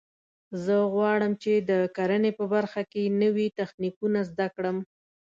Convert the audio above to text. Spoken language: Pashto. زه غواړم چې د کرنې په برخه کې نوي تخنیکونه زده کړم